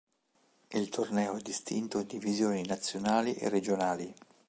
Il torneo è distinto in divisioni nazionali e regionali.